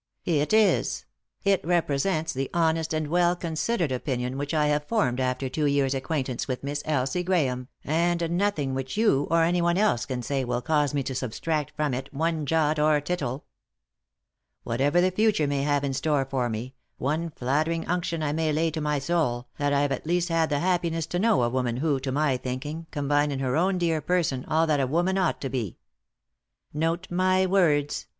" "It is ; it represents the honest and well considered opinion which I have formed after two years' acquaint ance with Miss Elsie Grahame, and nothing which you or anyone else can say will cause me to subtract from it one jot or tittle. Whatever the future may have in store for me, one flattering unction I may lay to my soul, that I've at least bad the happiness to know a woman who, to my thinking, combined in her own dear person all that a woman ought to be. Note my words